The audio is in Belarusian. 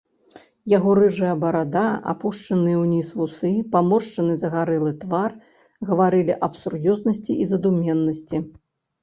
Яго рыжая барада, апушчаныя ўніз вусы, паморшчаны загарэлы твар гаварылі аб сур'ёзнасці і задуменнасці.